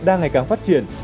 càng phát triển